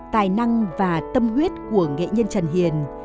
tài năng và tâm huyết của nghệ nhân trần hiền